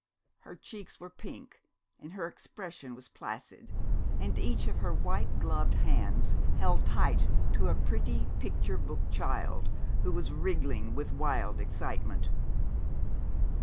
Her cheeks were pink and her expression was placid, and each of her white gloved hands held tight to a pretty picture book child who was wriggling with wild excitement.